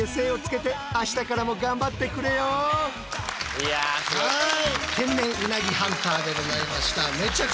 いやすごい！